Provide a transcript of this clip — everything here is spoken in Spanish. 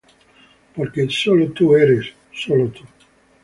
porque sólo tú eres Santo, sólo tú Señor,